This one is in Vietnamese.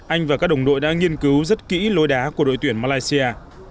anh và các đồng đội đã nghiên cứu rất kỹ lôi đá của đội tuyển malaysia